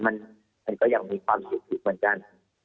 มันก็ยังมีความสุขอยู่เหมือนกัน